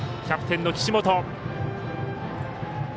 キャプテンの岸本。